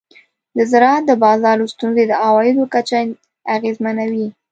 د زراعت د بازار ستونزې د عوایدو کچه اغېزمنوي.